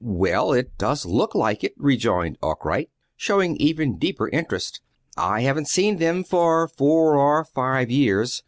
"Well, it does look like it," rejoined Arkwright, showing even deeper interest. "I haven't seen them for four or five years.